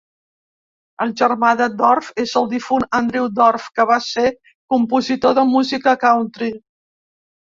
El germà de Dorff és el difunt Andrew Dorff, que va ser compositor de música country.